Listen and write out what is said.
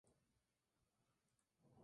Sus restos fueron cremados al día siguiente.